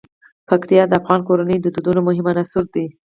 پکتیا د افغان کورنیو د دودونو مهم عنصر دی.